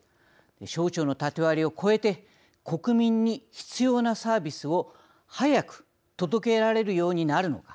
省庁の縦割りを超えて国民に必要なサービスを早く届けられるようになるのか。